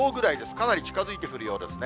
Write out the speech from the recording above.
かなり近づいてくるようですね。